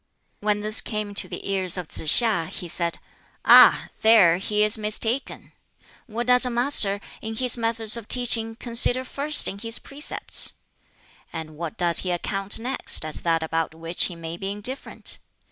When this came to the ears of Tsz hiŠ, he said, "Ah! there he is mistaken. What does a master, in his methods of teaching, consider first in his precepts? And what does he account next, as that about which he may be indifferent?